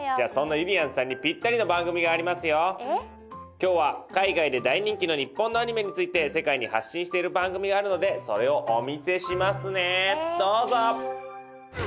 今日は海外で大人気の日本のアニメについて世界に発信している番組があるのでそれをお見せしますねどうぞ！